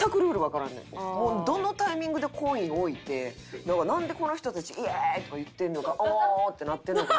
もうどのタイミングでコイン置いてなんでこの人たち「イエーイ！」とか言ってんのか「オー！」ってなってるのか